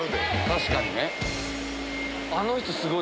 確かにね。